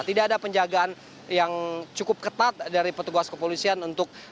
tidak ada penjagaan yang cukup ketat dari petugas kepolisian untuk